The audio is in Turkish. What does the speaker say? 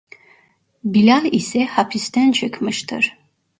Bilal ise hapisten çıkmıştır.